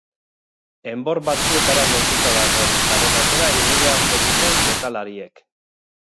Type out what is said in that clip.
Enbor batzuetara lotuta dagoen sare batera igo beharko dute jokalariek.